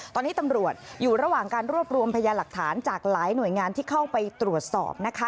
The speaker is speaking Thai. ตอนนี้ตำรวจอยู่ระหว่างการรวบรวมพยานหลักฐานจากหลายหน่วยงานที่เข้าไปตรวจสอบนะคะ